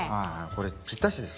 これぴったしですね。